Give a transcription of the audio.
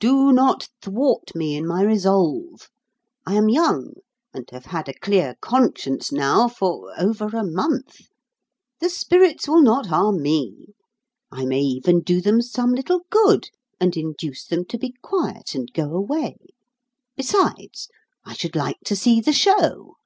Do not thwart me in my resolve. I am young, and have had a clear conscience now for over a month. The spirits will not harm me. I may even do them some little good, and induce them to be quiet and go away. Besides, I should like to see the show."